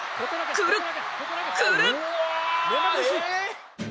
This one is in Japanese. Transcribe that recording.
くるっ！